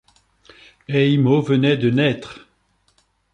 Heimo venait de naître.